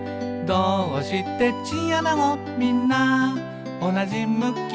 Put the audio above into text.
「どーうしてチンアナゴみんなおなじ向き？」